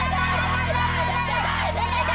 ได้